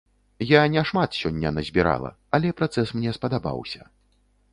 Я не шмат сёння назбірала, але працэс мне спадабаўся.